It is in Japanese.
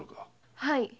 はい。